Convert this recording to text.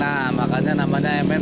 nah makanya namanya emen